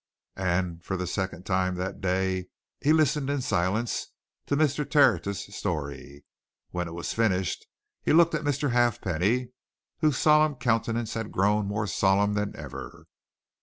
And for the second time that day he listened in silence to Mr. Tertius's story. When it was finished, he looked at Mr. Halfpenny, whose solemn countenance had grown more solemn than ever.